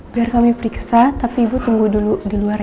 biar kami periksa tapi ibu tunggu dulu di luar